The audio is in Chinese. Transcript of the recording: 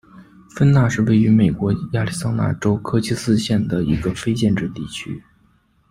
芬纳是位于美国亚利桑那州科奇斯县的一个非建制地区。